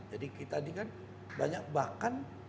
jadi kita di kan banyak